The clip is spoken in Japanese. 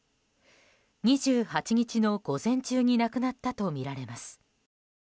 ２８日の午前中に亡くなったとみられます。